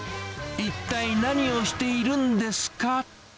一体何をしているんですか。